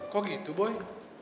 kok gitu boy